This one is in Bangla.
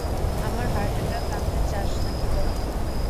আমার হার্ট অ্যাটাক আনতে চাস নাকি বল তো?